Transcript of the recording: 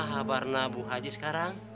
bagaimana kabarnya bu haji sekarang